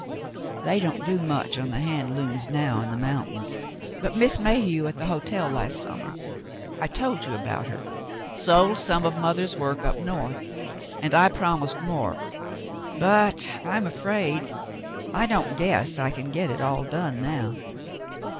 "They don't do much on the hand looms now in the mountains, but Miss Mayhew at the hotel last summer — I told you about her — sold some of mother's work up North, and I promised more, but I'm afraid — I don't guess I can get it all done now."